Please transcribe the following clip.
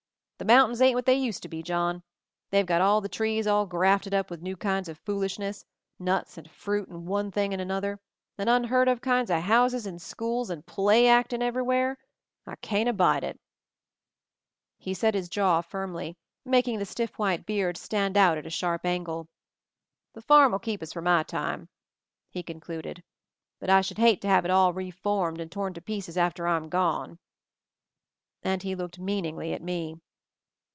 "The mountains ain't what they used to be, John. MOVING THE MOUNTAIN 285 ! i They've got the trees all grafted up with new kinds of foolishness — nuts and fruit and one thing'n another — and unheard of kinds of houses and schools, and play actin* everywhere. I can't abide it," He set his jaw firmly, making the stiff white beard stand out at a sharp angle. "The farm'll keep us for my time," he concluded; "but I should hate to have it all 'reformed* and torn to pieces after I'm gone." And he looked meaningly at me.